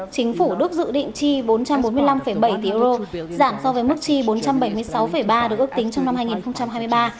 chính phủ đức dự định chi bốn trăm bốn mươi năm bảy tỷ euro giảm so với mức chi bốn trăm bảy mươi sáu ba được ước tính trong năm hai nghìn hai mươi ba